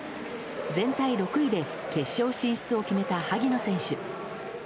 全体６位で決勝進出を決めた萩野選手。